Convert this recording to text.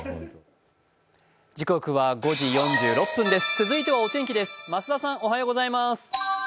続いてはお天気です。